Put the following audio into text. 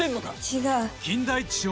違う。